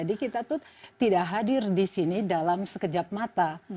jadi kita tuh tidak hadir di sini dalam sekejap mata